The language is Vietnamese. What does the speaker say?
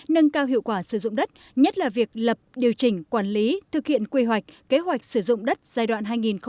nâng cao hiệu quả sử dụng đất nhất là việc lập điều chỉnh quản lý thực hiện quy hoạch kế hoạch sử dụng đất giai đoạn hai nghìn một mươi sáu hai nghìn ba mươi